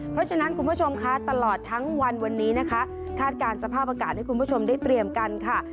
เพราะฉะนั้นคุณผู้ชมคะตลอดทั้งวันวันนี้นะคะคาดการณ์สภาพอากาศให้คุณผู้ชมได้เตรียมกันค่ะ